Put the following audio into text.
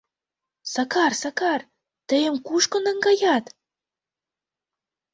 — Сакар, Сакар, тыйым кушко наҥгаят?